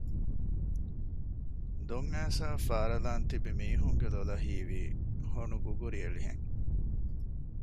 ދޮން އައިސަ އަށް ފާރަލާން ތިބި މީހުންގެ ލޮލަށް ހީވީ ހޮނުގުގުރި އެޅި ހެން